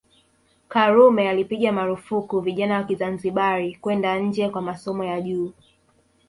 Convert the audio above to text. Karume alipiga marufuku vijana wa Kizanzibari kwenda nje kwa masomo ya juu